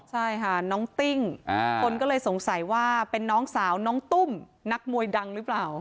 ใช่ค่ะน้องติ้งคนก็เลยสงสัยว่าเป็นน้องสาวน้องตุ้มนักมวยดังหรือเปล่า